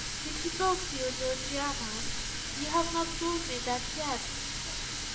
Did he talk to you, Georgiana? You have not told me that yet."